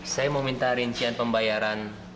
saya mau minta rincian pembayaran